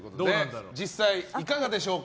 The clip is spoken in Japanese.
実際、いかがでしょうか？